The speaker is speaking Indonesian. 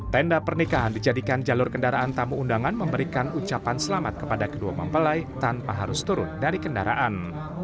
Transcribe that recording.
tenda pernikahan dijadikan jalur kendaraan tamu undangan memberikan ucapan selamat kepada kedua mempelai tanpa harus turun dari kendaraan